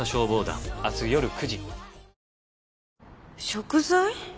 食材？